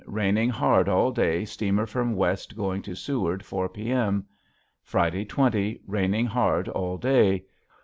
raining heard all day steamer from West going to seward 4 P.M. F. 20. raining heard all Day.